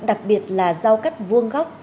đặc biệt là giao cắt vuông góc